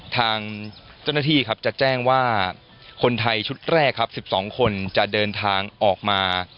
ทางเจ้าหน้าที่ครับจะแจ้งว่าคนไทยชุดแรกครับ๑๒คนจะเดินทางออกมา